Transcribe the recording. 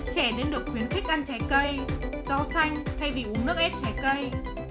trẻ nên được khuyến khích ăn trái cây rau xanh thay vì uống nước ép trái cây